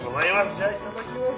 じゃあいただきます。